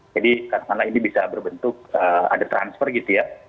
jadi kasangan ini bisa berbentuk ada transfer gitu ya